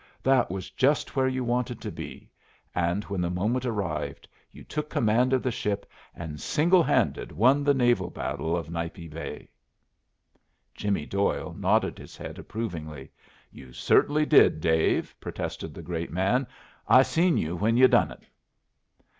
That was just where you wanted to be, and when the moment arrived you took command of the ship and single handed won the naval battle of Nipe Bay." Jimmy Doyle nodded his head approvingly. "You certainly did, Dave," protested the great man, "I seen you when you done it!"